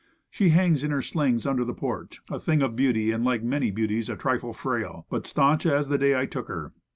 She hangs in her slings under the porch, a thing of beauty and, like many beauties, a trifle frail but staunch as the day I took her.